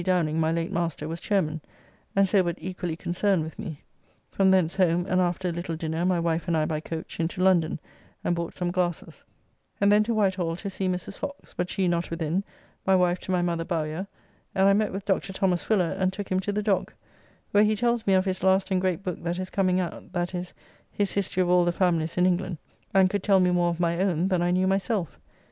Downing (my late master) was chairman, and so but equally concerned with me. From thence home, and after a little dinner my wife and I by coach into London, and bought some glasses, and then to Whitehall to see Mrs. Fox, but she not within, my wife to my mother Bowyer, and I met with Dr. Thomas Fuller, and took him to the Dog, where he tells me of his last and great book that is coming out: that is, his History of all the Families in England;' and could tell me more of my own, than I knew myself.